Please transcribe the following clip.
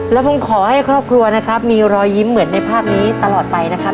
แล้วผมขอให้ครอบครัวนะครับมีรอยยิ้มเหมือนในภาพนี้ตลอดไปนะครับ